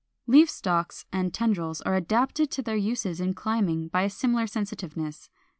473. Leaf stalks and tendrils are adapted to their uses in climbing by a similar sensitiveness.